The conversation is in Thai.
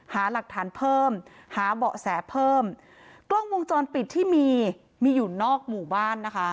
หาหลักฐานเพิ่มหาเบาะแสเพิ่มกล้องวงจรปิดที่มีมีอยู่นอกหมู่บ้านนะคะ